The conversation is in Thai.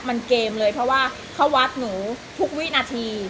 มันเกมเลยเพราะว่าเขาวัดหนูทุกวินาที